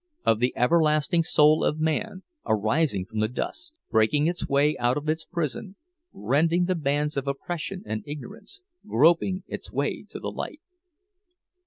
Of the everlasting soul of Man, arising from the dust; breaking its way out of its prison—rending the bands of oppression and ignorance—groping its way to the light!"